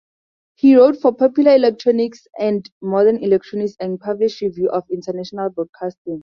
He wrote for "Popular Electronics" and "Modern Electronics", and published "Review of International Broadcasting".